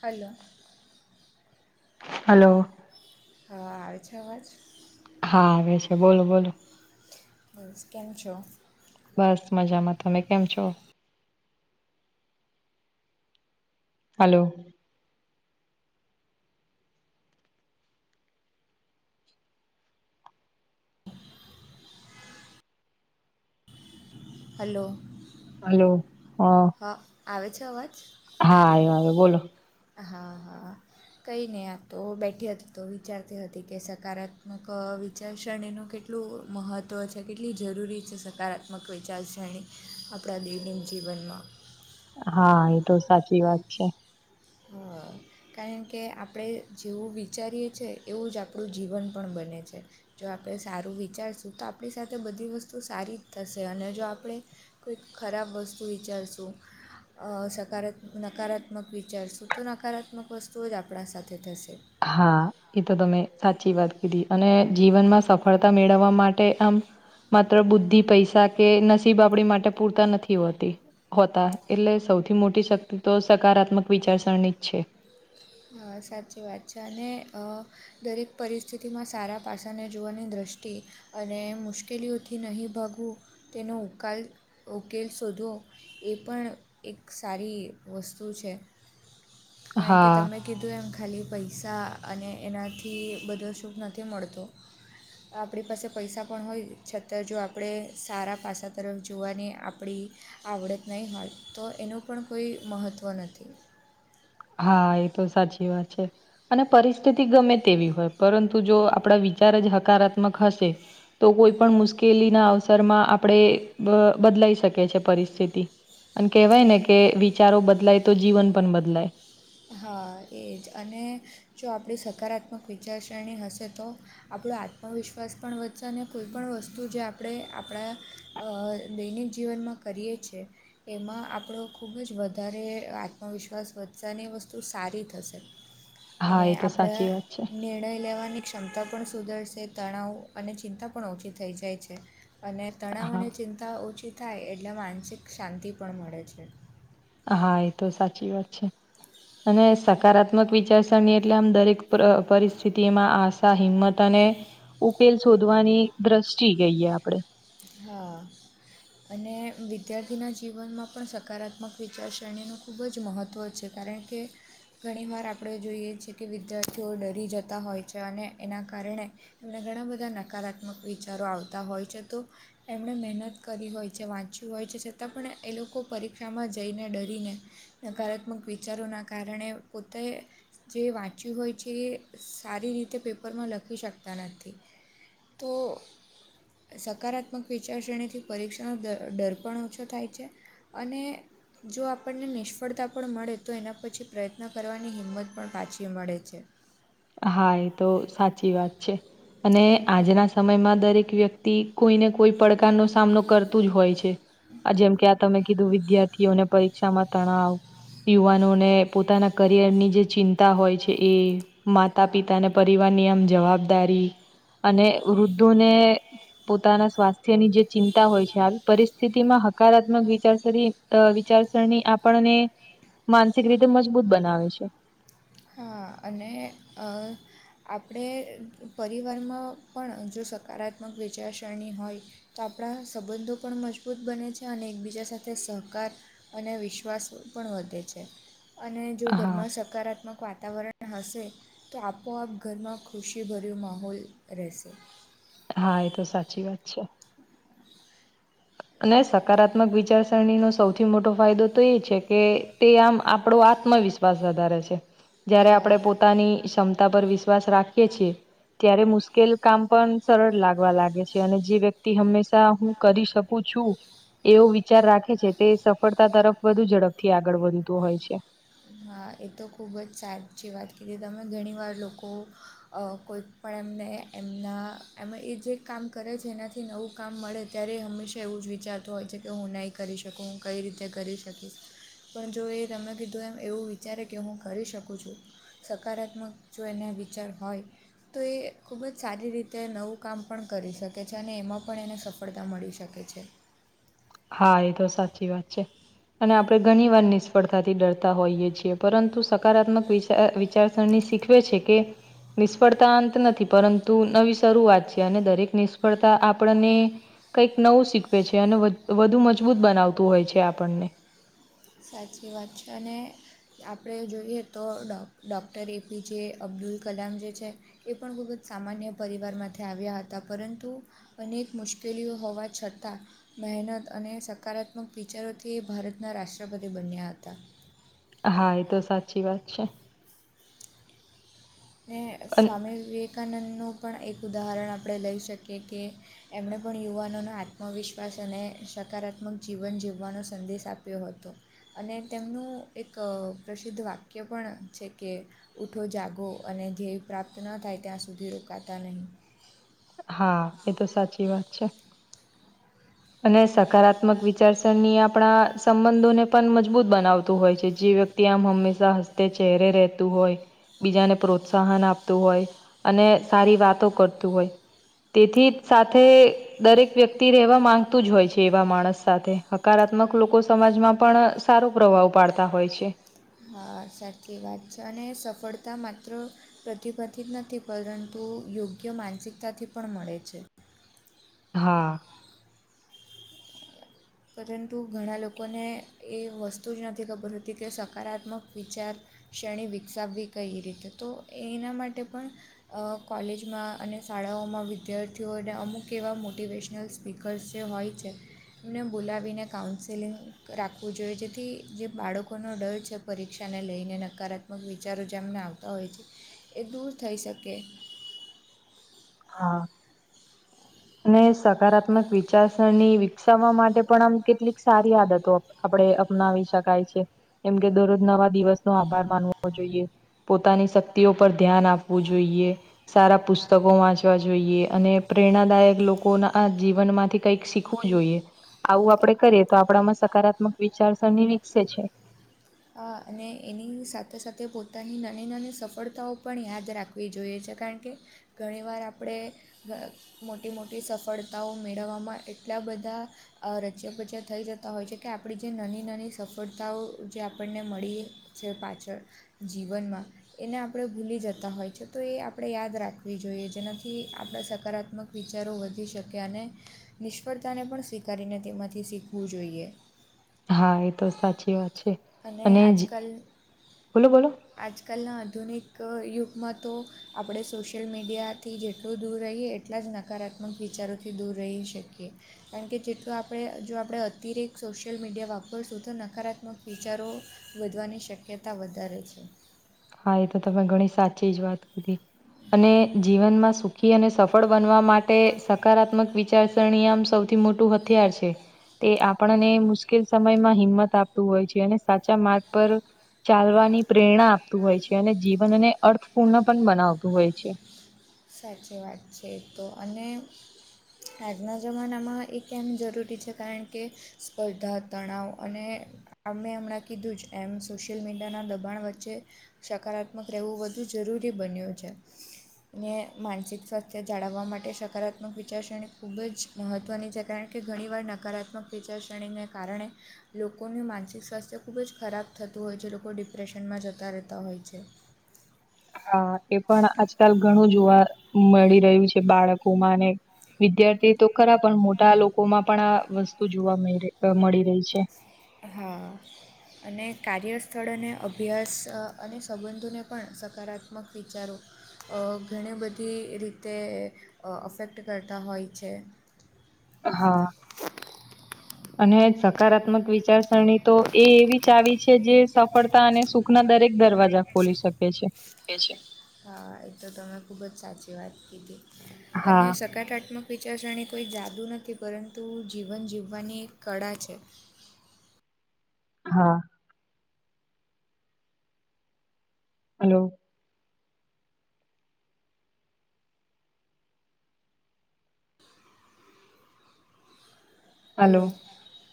Hello. Hello. હ આવે છે અવાજ? હા આવે છે બોલો બોલો. બ કેમ છો? બસ મજામાં તમે કેમ છો? હલો. હલો. હલોો હા. હા આવે છે અવાજ. હા આયો આયો બોલો. હા હા. કંઈ નહીં તો બેઠી હતી તો વિચારતી હતી કે સકારાત્મક વિચારસ્રેણીનું કેટલું મહત્ત્વ છે કેટલી જરૂરી છે સકારાત્મક વિચારસ્રેણી. આપણા દૈનીક જીવનમાં. હા એ તો સાચી વાત છે. હા કારણ કે આપણે જેવું વિચારીએ છે એવું જ આપણું જીવન પણ બને છે. જો આપણે સારું વિચારશું તો આપણી સાથે બધી વસ્તુ સારી થશે અને જો આપણે કોઈક ખરાબ વસ્તુ વિચારશું અ સકાર નકારાત્મક વિચારસું તો નકારાત્મક વસ્તુઓ જ આપણા સાથે થશે હા. એ તો તમે સાચી વાત કીધી અને જીવનમાં સફળતા મેળવવા માટે આમ માત્ર બુદ્ધિ પૈસા કે નસીબ આપડી માટે પૂરતા નથી હોતી હોતા એટલે સૌથી મોટી શક્તિ તો સકારાત્મક વિચારસરની જ છે હા સાચી વાત છે અને હ દરેક પરિસ્થિતિમાં સારા પાસાને જોવાની દૃષ્ટિએ અને મુશ્કેલીઓથી નહીં ભાગવું તેનો ઉકાલ ઉકેલ શોધવો એ પણ એક સારી વસ્તુ છે કારણ કે હા મે કીધું એમ ખાલી પૈસા અને એનાથી બધો શુભ નથી મળતો આપણી પાસે પૈસા પણ હોય છતાં જો આપણે સારા પાસા તરફ જોવાની આપણી આવડત નહીં હોય તો એનું પણ કોઈ મહત્ત્વ નથી હા એ તો સાચી વાત છે. અને પરિસ્થિતિ ગમે તેવી હોય પરંતુ જો આપણા વિચાર જ હકારાત્મ મક હશે તો કોઈ પણ મુશ્કેલીના અવસરમાં આપણે બદલાઈ શકે છે પરિસ્થિતિ અને કેહેવાય ને કે વિચારો બદલાય તો જીવન પણ બદલાય હા એ જ અને જો આપણી સકારાત્મક વિચાર શ્રેણી હશે તો આપણો આત્મવિશ્વાસ પણ વધશે અને કોઈ પણણ વસ્તુ જે આપણે આપણા અ દૈનિક જીવનમાં કરીએીએ. એમાં આપણો ખુબ જ વધારે આત્મવિશ્વાસ વધશે. ધની વસ્તુ સારી થશે હા અને એ તો આપણે સાચી વાત છે નિર્ણય લેવાની ક્ષમતા પણ સુધરશે તણાવ અને ચિંતા પણ ઓછી થઈ જાય છે. અને તણાવ હા અને ચિંતા ઓછી થાય એટલે માનસિક શાંતિ પણ મળે છે. હા એ તો સાચી વાત છે અને સકારાત્મ ક વિચારસરણી એટલે આમ દરેક પરિસ્થિતિમાં આશા હિંમત અને ઉકેલ શોધવાની દ્રષ્ટિ ગઈએ આપણેે હા અને વિદ્યાર્થીના જીવનમાં પણ સકારાત્મક વિચાર શરણીનું ખૂબ જ મહત્ત્વ છે. કારણ કે ઘણીવાર આપણે જોઈએ છીએ કે વિદ્યાર્થીઓ ડરી જતા હોય છે અને એના કારણે તમને ઘણા બધા નકારાત્મક વિચારો આવતા હોય છે તો એમણે મહેનત કરી હોય છે વાંચ્યું હોય છે છતાં પણ એ લોકો પરીક્ષામાં જઈને ડરીને નકારાત્મક વિચારોના કારણે પોતે જે વાંચ્યું હોય છે એ સારી રીતે પેપરમાં લખી શકતા નથી. તો સબ હકારાત્મક વિચાર શ્રેણીથી પરીક્ષાનો ડર પણ ઓછો થાય છે અને જો આપણને નિષ્ફળતા પણ મળે તો એના પછી પ્રયત્ન કરવાની હિંમત પણ પાછી મળે છે. હા એ તો સાચી વાત છે અને આજના સમયમાં દરેક વ્યક્તિ કોઈ ને કોઈ પડકાર નો સામનો કરતું જ હોય છે જેમકે તમે કીધું વિદ્યાર્થીઓને પરીક્ષામાં તણાવ યુવાનોને પોતાના કરિયર ની જે ચિંતા હોય છે એ માતા હા પિતાને પરવાર નિયમ જવાબદારી અને વૃદ્ધોને પોતાના સ્વાસ્થ્યની જે ચિંતા હોય છે આવી પરિસ્થિતિમાં હકારાત્મક વિચાર કરીએ તો વિચારસરણી આપણને માનસિક રીતે મજબૂત બનાવે છે હા અને અ આપણે પરિવારમાં પણ જો સકારાત્મક વિચારસરણી હોય તો આપણા સંબંધો પણ મજબૂત બને છે અને એકબીજા સાથે સહકાર અને વિશ્વાસ પણ વધે છે અને જો હા ઘરમાં સકારાત્મક વાતાવરણ હશે તો આપોઆપ ઘરમાં ખુશીભર્યું માહોલ રહેશે હા એ તો સાચી વાત છે અને સકારાત્મક વિચારસરણીનો સૌથી મોટો ફાયદો તો એ છે કે તે આમ આપણો આત્મવિશ્વાસ વધારે છે જયારે આપણે પો હા પોતાની ક્ષમતા પર વિશ્વાસ રાખીએ છીએ ત્યારે મુશ્કેલ કામ પણ સરળ લાગે કરવા લાગે છે અને જે વ્યક્તિ હંમેશા હું કરી શકું છું એવો વિચાર રાખે છે તે સફળતા તરફ વધુ ઝડપથી આગળ વધતું હોય છે હા એ તો ખૂબ જ સારી છે વાત કીધી તમે ઘણીવાર લોકો કોઈ પણ એમને એમના એમાં એ જે કામ કરે છે એનાથી નવું કામ મળે ત્યારે હંમેશા એવું જ વિચાર હોય છે કે હું નહીં કરી શકું હું કઈ રીતે કરી શકીશ પણ જો એ તમે કીધું એમ એવું વિચારે કે હું કરી શકું છું સકારાત્મક જો એના વિચાર હોય તો એ ખૂબ જ સારી રીતે નવું કામ પણ કરી શકે છે અને એમાં પણ એને સ સફળતા મળી શકે છે હા એ તો સાચી વાત છે અને આપડણે ઘણી વાર નિષ્ફળતાથી ડરતા હોઈએ છીએ પરંતુ સકારાત્મક વિ વિચારસરણી શીખવે છે કે નિષ્ફળતા અંત નથી પરંતુ નવી શરૂઆત છે અને દરેક નિ તા આપણને કંઈક નવું શીખવે છે અને વધુ મજબૂત બનાવતું હોય છે આપણને સાચી વાત છે અને આપણે જોઈએ તો ડો ડોક્ટર એપીજે અબ્દુલ કલામ જે છે એ પણ ખૂબ જ સામાન્ય પરિવારમાંથી આવ્યા હતા પરંતુ અનેક મુશ્કેલીઓ હોવા છતાં મહેનત અને સકારાત્મક વિિચરોથી ભારતના રાષ્ટ્રપતિ બન્યા હતા હા એ તો સાચી વાત છે ને અને સ્વામી વિવેકાનંદનું પણ એક ઉદાહરણ આપણે લઈ શકીએ કે એમણે પણ યુવાનોનો આત્મવિશ્વાસ અને સકારાત્મક જીવન જીવવાનો સંદેશ આપ્યો હતો. અને તેમનું એક પ્રસિદ્ધ વાક્ય પણ છે કે ઊઠો જાગો અને ધ્યેય પ્રાપ્ત ન થાય ત્યાં સુધી રોકાતા નહીં. હા એ તો સાચી વાત છે. [inaudible] અને સકારાત્મક વિચારસરની આપણા સંબંધોને પણ મજબૂત બનાવતું હોય છે જે વ્યક્તિ ત્યાં આમ હંમેશા હસ્તે ચહેરે રહેતું હોય બીજાને પ્રોત્સાહન આપતું હોય અને સારી વાતો કરતું હોય તેથી જ સાથે દરેક વ્યક્તિ રહેવા માંગતું જ હોય છે એવા માણસ સાથે હકારાત્મક લોકો સમાજમાં પણ સારો પ્રભાવ પાડતા હોય છે. હા સાચી વાત છે અને સફળતા માત્ર પ્રતિબાંધિત નથી પરંતુ યોગ્ય માનસિકતાથી પણ મળે છે. હા પરંતુ ઘણા લોકોને એ વસ્તુ જ નથી ખબર હોતી કે સકારાત્મક વિચાર શ્રેણી વિકસાવવી કઈ રીતે તો એના માટે પણ અ કોલેજમાં અને શાળાઓમાં વિદ્યાર્થીઓને અમુક એવા મોટિવેશનલ્ સ્પીકર્સ જે હોય છે એને બોલાવીને કાઉન્સેલિંગ રાખવું જોઈએ જેથી જે બાળકોનો ડર છે પરીક્ષાને લઈને નકારાત્મક વિચારો જેમને આવતા હોય છે એ દૂર થઈ શકે. હા અને સકારાત્મક વિચારસરણી વિકસાવવા માટે પણ આમ કેટલીક સા રી આદતો આપડે અપનાવી શકાય છે. જેમ કે દરરોજ નવા દિવસ નો આભાર માનવો જોઈએ. પોતાની શક્તિઓ પર ધ્યાન આપવું જોઈએ. સારા પુસ્તકો વાંચવા જોઈએ અને પ્રેરણાદાયક લોકો ના જીવન માંથી કઈક શીખવું જોઈએ. આવું આપડે કરીએ તો આપણામાં સકારાત્મક વિચારસરણી વિકસે છે. હા અને એની સાથે સાથે પોતાની નાની નાની સફળતાઓ પણ યાદ રાખ વી જોઈએ છે કારણ કે ઘણીવાર આપડે મોટી મોટી સફળતાઓ મેળવવામાં એટલા બધા રચ્યા પચ્યા થઈ જતા હોય છે કે આપણી જે નાની નાની સફળતાઓ જે આપણને મળીએ છે પાછળ જીવનમાં એને આપણે ભૂલી જતા હોય છે તો એ આપણે યાદ રાખવી જોઈએ જેનાથી આપણે સકારાત્મક વિચારો વધી શકે અને નિષ્ફળતાને પણ સ્વીકારીને તેમાંથી શીખવું જોઈએ. હા એ તો સાચી વાત છે અને જ બોલો બોલો આજકાલના આધુનિક યુગમાં તો આપડે સોશિયલ મીડિયાથી જેટલું દૂર રહીએ એટલા જ નકારાત્મક વિચારોથી દૂર રહી શકીએ. કારણ કે જેટલો આપણે જો આપણે અતિરેક સોશિયલ મીડિયા વાપરશું તો નકારાત્મક વિચારો વધવાની શક્યતા વધારે છે. હા એ તો તમે ઘણી સાચી જ વાત કીધી અને જીવનમાં સુખી અને સફળ બનવા માટે સકારાત્મક વિચારસરણી આમ સૌથી મોટું હથિયાર છે. તે આપણને મુશ્કેલ સમયમાં હિંમત આપતું હોય છે અને સાચા માર્ગ પર ચાલવાની પ્રેરણા આપતું હોય છે અને જીવનને અર્થપૂર્ણ પણ બનાવતું હોય છે. સાચી વાત છે એતો અને આજના જમાનામાં એ કેમ જરૂરી છે કારણ કે સ્પર્ધા તણાવ અને અમે હમણાં કીધું જ એમ સોશિયલ મીડિયાના દબાણ વચ્ચે સકારાત્મક રહેવું વધુ જરૂરી બન્યું છે. ને માનસિક સ્વાસ્થ્ય જાળવવા માટે સકારાત્મક વિચારસરણી ખૂબ જ મહત્વની છે કારણ કે ઘણીવાર નકારાત્મક વિચાર શ્રેણીને કારણે લોકોનું માનસિક સ્વાસ્થ્ય ખૂબ જ ખરાબ થતું હોય છે લોકો ડિપ્રેશનમાં જતા રહેતા હોય છે હા એ પણ આજકાલ ઘણું જોવા મળી રહ્યું છે બાળકો માંને વિદ્યાર્થી તો ખરા પણ મોટા લોકોમાં પણ આ વસ્તુ જોવા મળ મળી રહી છે. હા અને કાર્યસ્થળ અને અભ્યાસ અને સંબંધોને પણ સકારાત્મક વિચારો અ ઘણી બધી રીતે અફેક્ટ કરતા હોય છે. હા અને સકારાત્મક વિચારસરણી તો એ એવી ચાવી છે જે સફળતા અને સુ ના દરેક દરવાજા ખોલી શકે છે. હા એ તો તમે ખુબ જ સાચી વાત કીધી અને હા સકારાત્મક વિચારસરણી કોઈ જાદુ નથી પરંતુ જીવન જીવવાની એક કળા છે. હા હલો હલો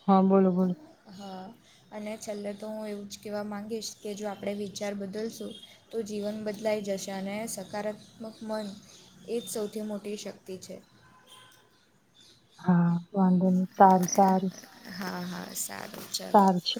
હ બોલો બોલો હા અને છેલ્લે તો હું એવું જ કહેવા માગીશ કે જો આપણે વિચાર બદલશું તો જીવન બદલાઈ જશે અને સકારાત્મક મન એ જ સૌથી મોટી શક્તિ છે. હા વાંધો નહી સારું સારું હા હા સારું ચાલો સાર છે